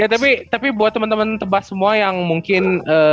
ya tapi buat temen temen tebas semua yang mungkin